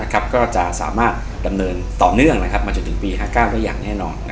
ก็จะสามารถดำเนินต่อเนื่องมาจนถึงปี๕๙ได้อย่างแน่นอน